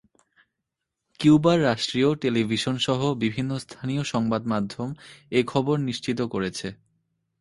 কিউবার রাষ্ট্রীয় টেলিভিশনসহ বিভিন্ন স্থানীয় সংবাদমাধ্যম এ খবর নিশ্চিত করেছে।